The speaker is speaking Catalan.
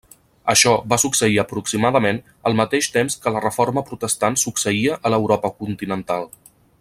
Això va succeir aproximadament al mateix temps que la reforma protestant succeïa a l'Europa continental.